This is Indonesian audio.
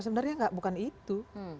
sebenarnya bukan itu